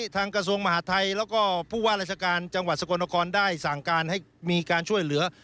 กระทรวงมหาทัยแล้วก็ผู้ว่าราชการจังหวัดสกลนครได้สั่งการให้มีการช่วยเหลือ